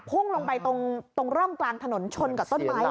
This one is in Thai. พุ่งลงไปตรงร่องกลางถนนชนกับต้นไม้